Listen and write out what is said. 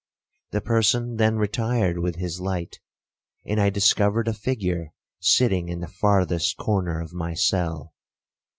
The person then retired with his light, and I discovered a figure sitting in the farthest corner of my cell.